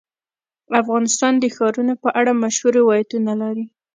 افغانستان د ښارونو په اړه مشهور روایتونه لري.